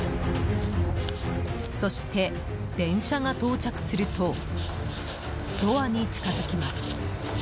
そして電車が到着するとドアに近づきます。